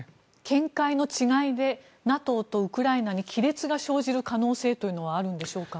見解の違いでＮＡＴＯとウクライナに亀裂が生じる可能性はあるんでしょうか。